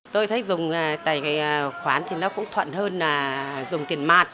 tôi thấy dùng tài khoản thì nó cũng thuận hơn là dùng tiền mặt